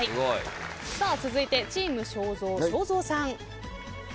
続いてチーム正蔵正蔵さん。